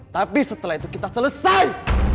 tapi setelah itu kita selesai